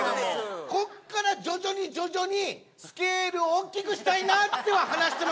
ここから徐々に徐々にスケールを大きくしたいなとは話してます。